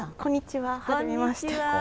はじめまして。